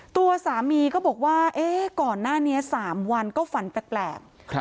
ตัวสามีก็บอกว่าก่อนหน้านี้๓วันก็ฝันแปลก